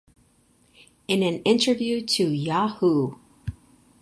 In an interview to Yahoo!